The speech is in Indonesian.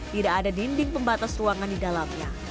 tidak ada dinding pembatas ruangan di dalamnya